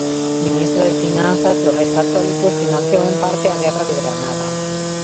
Ministro de Finanzas dos Reis Católicos, financiou, en parte, a Guerra de Granada.